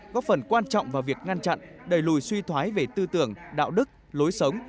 góp phần quan trọng vào việc ngăn chặn đẩy lùi suy thoái về tư tưởng đạo đức lối sống